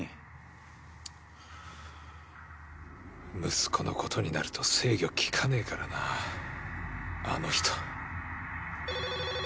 息子のことになると制御利かねぇからなあの人。